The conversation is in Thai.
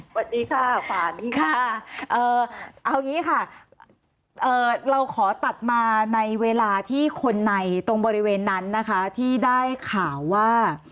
สวัสดีค่ะสวัสดีค่ะเอาอย่างนี้ค่ะเราขอตัดมาในเวลาที่คนในตรงบริเวณนั้นนะคะที่ได้ข่าวว่า